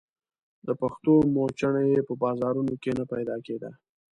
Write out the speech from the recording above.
د پښو موچڼه يې په بازارونو کې نه پيدا کېده.